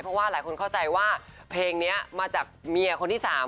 เพราะว่าหลายคนเข้าใจว่าเพลงนี้มาจากเมียคนที่๓